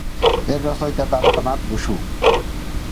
এর রচয়িতা দ্বারকানাথ বসু।